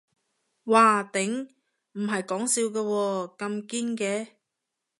嘩頂，唔係講笑㗎喎，咁堅嘅